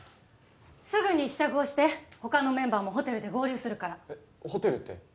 すぐに支度をして他のメンバーもホテルで合流するからえっホテルって？